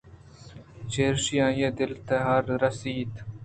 چر یشی آئی ءِ دل ءَ تاہیر رسیت